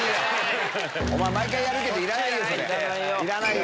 お前毎回やるけどいらないよ